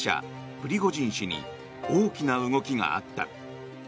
プリゴジン氏に大きな動きがあった。